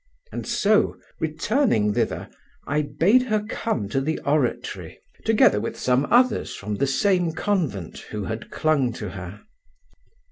And so, returning thither, I bade her come to the oratory, together with some others from the same convent who had clung to her.